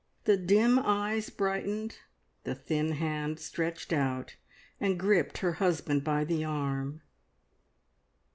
The dim eyes brightened, the thin hand stretched out and gripped her husband by the arm.